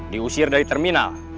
diusir dari terminal